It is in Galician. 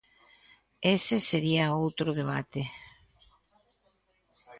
Ese sería outro debate.